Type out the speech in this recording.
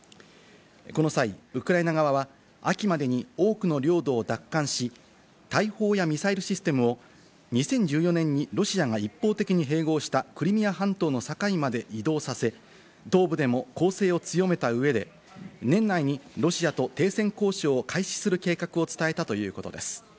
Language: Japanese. この際、ウクライナ側は秋までに多くの領土を奪還し、大砲やミサイルシステムを２０１４年にロシアが一方的に併合したクリミア半島の境まで移動させ、東部でも攻勢を強めた上で年内にロシアと停戦交渉を開始する計画を伝えたということです。